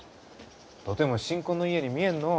とても新婚の家に見えんのう。